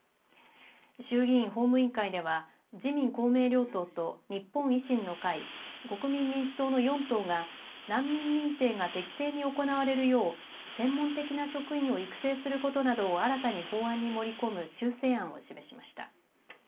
衆議院法務委員会では自民・公明両党と日本維新の会国民民主党の４党が難民認定が適正に行われるよう専門的な職員を育成することなどを新たに法案に盛り込む修正案を示しました。